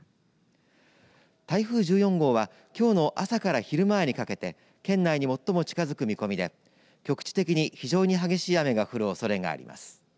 台風１４号はきょうの朝から昼前にかけて県内に最も近づく見込みで局地的に非常に激しい雨が降るおそれがあります。